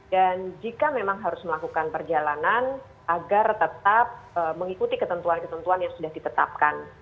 dan jika memang harus melakukan perjalanan agar tetap mengikuti ketentuan ketentuan yang sudah ditetapkan